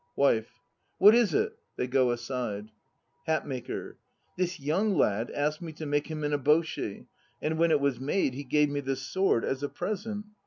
WIFE. What is it? (They go aside.) HATMAKER. This young lad asked me to make him an eboshi, and when it was he gave me this sword as a present.